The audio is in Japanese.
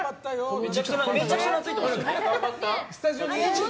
めちゃくちゃ懐いていましたよ。